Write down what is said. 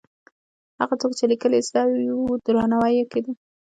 هغه څوک چې لیکل یې زده وو، درناوی یې کېده.